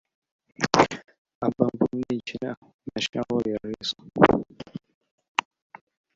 Abambu-nni yekna-d maca ur yerriẓ.